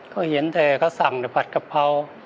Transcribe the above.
ก็เห็นแต่เขาสั่งแต่ผัดกะเพรา